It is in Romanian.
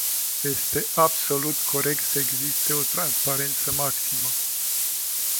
Este absolut corect să existe o transparență maximă.